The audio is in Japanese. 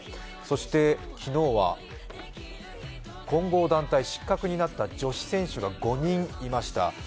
そして昨日は混合団体失格になった女子選手が５人いました。